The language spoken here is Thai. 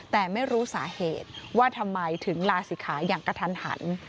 แต่ไม่รู้สาเหตุว่าทำไมถึงลาศิกขาอย่างกระทันหัน